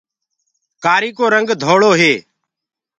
ڪآري ڪو رنگ ڌݪو هي۔